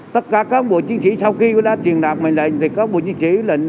tất cả các bộ chiến sĩ sau khi đã truyền đạt bình lệnh